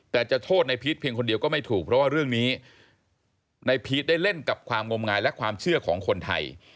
แต่จะโทษในพีชเพียงคนเดียวก็ไม่ถูกเพราะว่าเรื่องนี้ในพีชได้เล่นกับความงมงายและความเชื่อของคนไทย